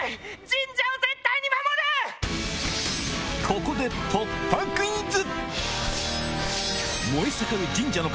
ここで突破クイズ！